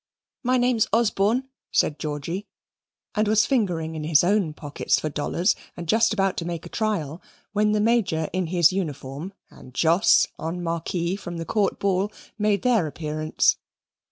"My name's Osborne," said Georgy, and was fingering in his own pockets for dollars, and just about to make a trial, when the Major, in his uniform, and Jos, en Marquis, from the Court ball, made their appearance.